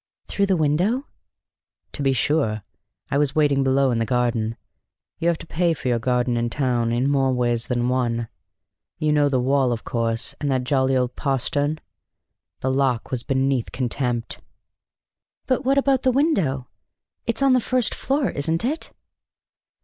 "Through the window?" "To be sure. I was waiting below in the garden. You have to pay for your garden in town, in more ways than one. You know the wall, of course, and that jolly old postern? The lock was beneath contempt." "But what about the window? It's on the first floor, isn't it?"